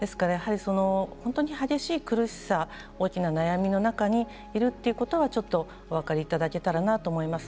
本当に激しい苦しさ大きな悩みの中にいるということはお分かりいただけたらなと思います。